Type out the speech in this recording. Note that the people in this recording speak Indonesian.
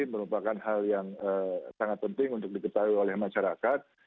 merupakan hal yang sangat penting untuk diketahui oleh masyarakat